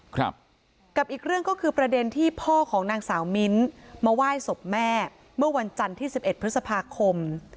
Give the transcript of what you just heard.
ครับกับอีกเรื่องก็คือประเด็นที่พ่อของนางสาวมิ้นมาไหว้ศพแม่เมื่อวันจันทร์ที่สิบเอ็ดพฤษภาคม